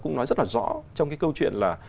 cũng nói rất rõ trong câu chuyện là